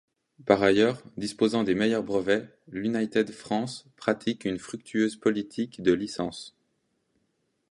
Par ailleurs, disposant des meilleurs brevets, l'United France pratique une fructueuse politique de licences.